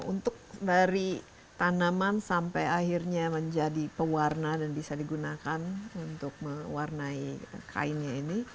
untuk dari tanaman sampai akhirnya menjadi pewarna dan bisa digunakan untuk mewarnai kainnya ini